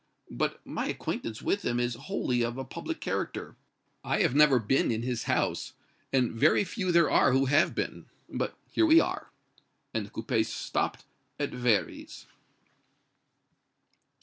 But my acquaintance with him is wholly of a public character. I have never been in his house, and very few there are who have been. But here we are." And the coupé stopped at Véry's.